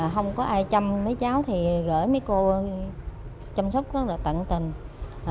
không có ai chăm mấy cháu thì gửi mấy cô chăm sóc rất là tận tình